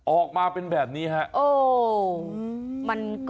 ออกมาเป็นแบบนี้ครับ